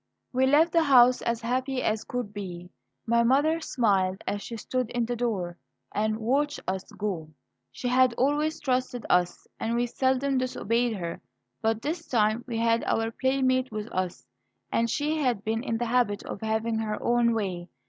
We left the house as happy as could be. My mother smiled as she stood in the door and watched us go. She had always trusted us, and we seldom disobeyed her. But this time we had our playmate with us, and the had been in the habit of having her own way.